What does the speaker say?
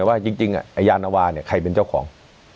ว่าจริงยานวาใครเป็นเจ้าของ